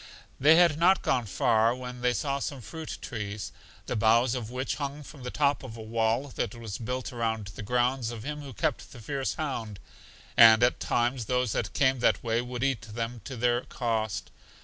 They had not gone far when they saw some fruit trees, the boughs of which hung from the top of a wall that was built around the grounds of him who kept the fierce hound, and at times those that came that way would eat them to their cost.